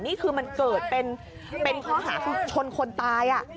นี่คือมันเกิดเป็นข้อหาคือชนคนตาย